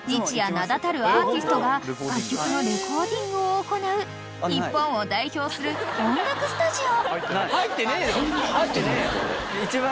名だたるアーティストが楽曲のレコーディングを行う日本を代表する音楽スタジオ］